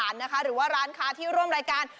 ยังไงหู้ว่าร้านค้าที่ร่วมรายการ